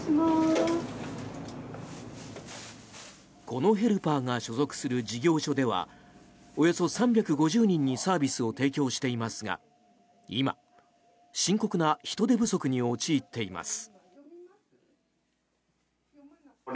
このヘルパーが所属する事業所ではおよそ３５０人にサービスを提供していますが今、深刻な人手不足に陥っています。